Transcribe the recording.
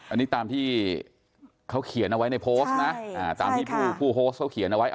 อันนี้ตามที่เขาเขียนเอาไว้ในโพสต์นะตามที่ผู้โพสต์เขาเขียนเอาไว้